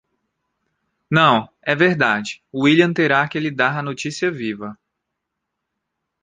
Não, é verdade, William terá que lhe dar a notícia viva.